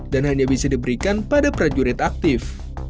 dan hanya bisa diberikan pada prajurit aktif